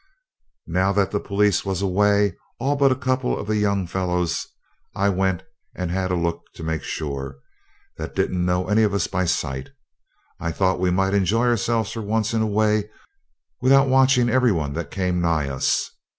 Now the police was away, all but a couple of young fellows I went and had a look to make sure that didn't know any of us by sight, I thought we might enjoy ourselves for once in a way without watching every one that came nigh us.